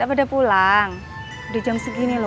udah pulang udah jam segini lho